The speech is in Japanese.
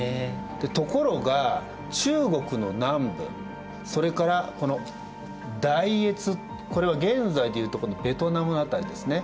ところが中国の南部それからこの大越これは現在でいうとこのベトナムの辺りですね。